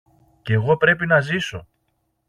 Κι εγώ πρέπει να ζήσω!